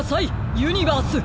ユニバース！